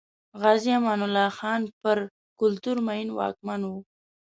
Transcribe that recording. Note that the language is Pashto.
غازي امان الله خان پر کلتور مین واکمن و.